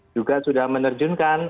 juga sudah menerjunkan